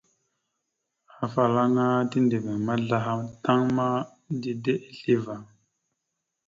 Afalaŋa tiɗəviŋ maslaha tan ma, dide isleva.